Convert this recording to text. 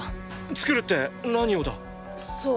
作るって何をだ？さあ。